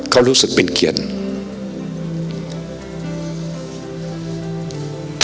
เขารู้สึกเป็นเขียน